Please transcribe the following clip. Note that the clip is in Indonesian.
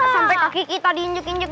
sampai kaki kita diinjuk injuk